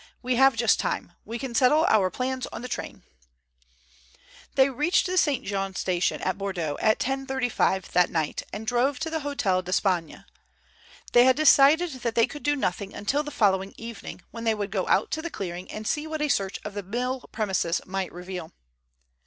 "We have just time. We can settle our plans in the train." They reached the St Jean station at Bordeaux at 10.35 that night, and drove to the Hotel d'Espagne. They had decided that they could do nothing until the following evening, when they would go out to the clearing and see what a search of the mill premises might reveal.